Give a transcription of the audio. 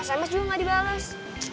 sms juga gak dibales